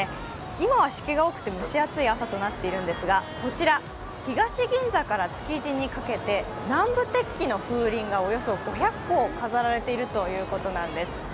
今は湿気が多くて蒸し暑い朝となっているんですがこちら、東銀座から築地にかけて南部鉄器の風鈴がおよそ５００個飾られているということなんです。